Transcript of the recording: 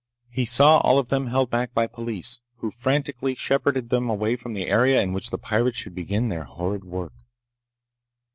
He saw all of them held back by police, who frantically shepherded them away from the area in which the pirates should begin their horrid work.